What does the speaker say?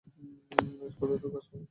Mace, কতদূর কাজ হলো?